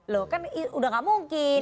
loh kan udah gak mungkin